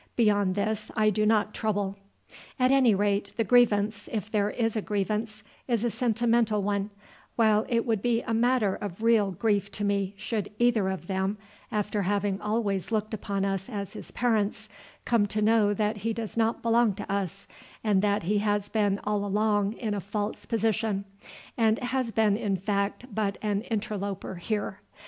Beyond this I do not trouble. At any rate the grievance, if there is a grievance, is a sentimental one; while it would be a matter of real grief to me should either of them, after having always looked upon us as his parents, come to know that he does not belong to us, and that he has been all along in a false position, and has been in fact but an interloper here.